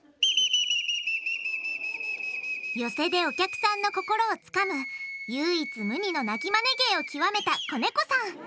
寄席でお客さんの心をつかむ唯一無二の鳴きマネ芸を究めた小猫さん！